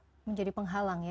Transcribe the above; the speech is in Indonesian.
menjadi penghalang ya